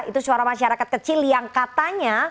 itu suara masyarakat kecil yang katanya